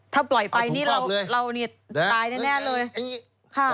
ถ้าปล่อยไปนี่เราเนี่ยตายแน่เลยค่ะ